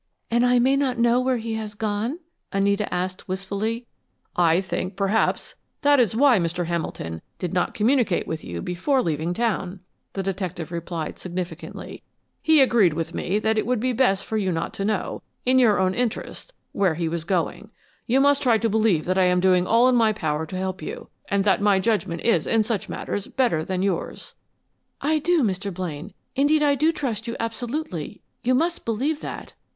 "And I may not know where he has gone?" Anita asked, wistfully. "I think, perhaps, that is why Mr. Hamilton did not communicate with you before leaving town," the detective replied, significantly. "He agreed with me that it would be best for you not to know, in your own interests, where he was going. You must try to believe that I am doing all in my power to help you, and that my judgment is in such matters better than yours." "I do, Mr. Blaine. Indeed I do trust you absolutely; you must believe that."